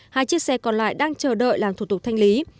hai chiếc xe còn lại đang chờ đợi làm thủ tục thanh lý